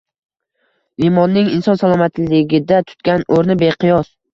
Limonning inson salomatligida tutgan o‘rni beqiyos.